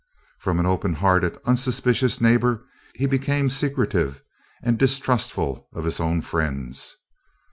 From an open hearted, unsuspicious neighbour, he became secretive and distrustful of his own friends.